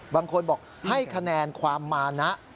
บางคนบอกให้คะแนนความมานะ